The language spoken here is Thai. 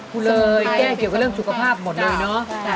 คุณเลยแจ้งเกี่ยวกับเรื่องสุขภาพหมดเลยเนอะ